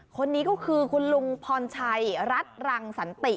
คนนี้ก็คือคุณลุงพรชัยรัฐรังสันติ